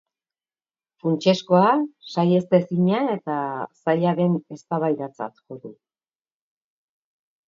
Funtsezkoa, sahiestezina eta zaila den eztabaidatzat jo du.